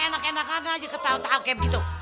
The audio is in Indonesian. enak enakan aja ke tahu tahu kek gitu